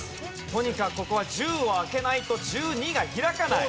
とにかくここは１０を開けないと１２が開かない。